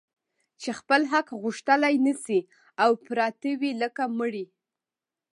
چي خپل حق غوښتلای نه سي او پراته وي لکه مړي